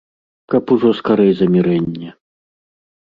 Каб ужо скарэй замірэнне!